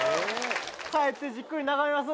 帰ってじっくり眺めます。